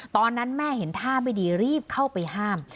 ตอนนั้นแม่เห็นท่าไม่ดีรีบเข้าไปห้าม